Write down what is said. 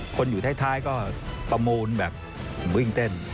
คนอยู่ท้ายก็ประมูลแบบวิ่งเต้น